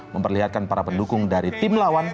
memperlihatkan para pendukung dari tim lawan